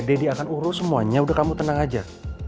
deddy akan urus semuanya udah kamu tenang aja